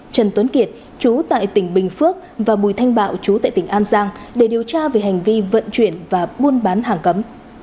trần tuấn kiệt chú tại tỉnh bình phước và bùi thanh bạo chú tại tỉnh an giang để điều tra về hành vi vận chuyển và buôn bán hàng cấm